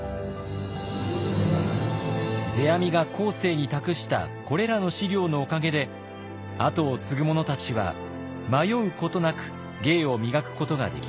世阿弥が後世に託したこれらの資料のおかげで後を継ぐ者たちは迷うことなく芸を磨くことができました。